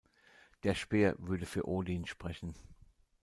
Der Speer würde für Odin sprechen.